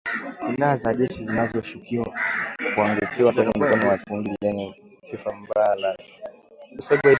Silaha za jeshi zinashukiwa kuangukia kwenye mikono ya kundi lenye sifa mbaya la linalolaumiwa